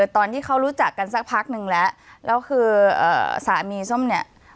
ตอนที่เขารู้จักกันสักพักนึงแล้วแล้วคือสามีส้มเนี่ย